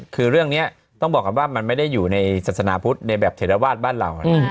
คือเรื่องนี้ต้องบอกก่อนว่ามันไม่ได้อยู่ในศาสนาพุทธในแบบเถรวาสบ้านเรา